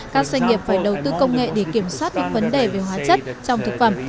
các doanh nghiệp phải đầu tư công nghệ để kiểm soát những vấn đề về hóa chất trong thực phẩm